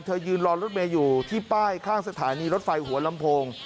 ยืนรอรถเมย์อยู่ที่ป้ายข้างสถานีรถไฟหัวลำโพง